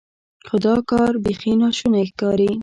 خو دا کار بیخي ناشونی ښکاري.